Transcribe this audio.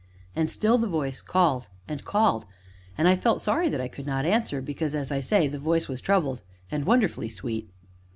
And still the voice called and called, and I felt sorry that I could not answer, because, as I say, the voice was troubled, and wonderfully sweet.